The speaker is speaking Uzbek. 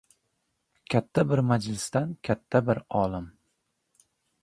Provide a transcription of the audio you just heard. Katta bir majlisdan katta bir olim